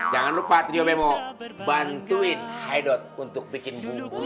jangan lupa trio bemo bantuin haidot untuk bikin bungkus